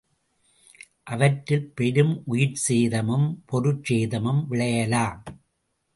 அவற்றில், பெரும் உயிர்ச் சேதமும், பொருட்சேதமும் விளையலாம்.